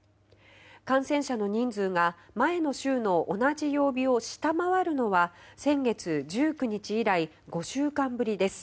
感染者の人数が前の週の同じ曜日を下回るのは先月１９日以来５週間ぶりです。